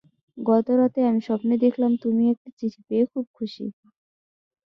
গত রাতে আমি স্বপ্নে দেখলাম, তুমি একটি চিঠি পেয়ে খুব খুশি।